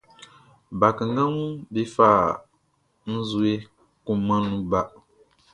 Bakannganʼm be fa nzue kunmanʼn nun ba.